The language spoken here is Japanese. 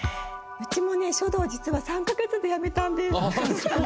うちもね書道実は３か月でやめたんです。